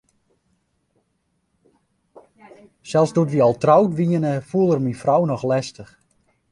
Sels doe't wy al troud wiene, foel er myn frou noch lestich.